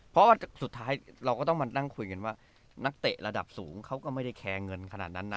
เพราะว่าสุดท้ายเราก็ต้องมานั่งคุยกันว่านักเตะระดับสูงเขาก็ไม่ได้แคร์เงินขนาดนั้นนะ